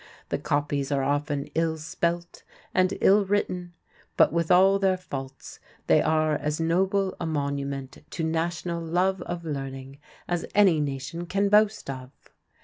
The copies are often ill spelt and ill written, but with all their faults they are as noble a monument to national love of learning as any nation can boast of.